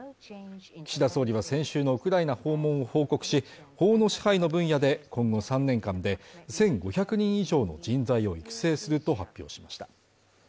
岸田総理は先週のウクライナ訪問を報告し、法の支配の分野で今後３年間で１５００人以上の人材を育成すると発表しました。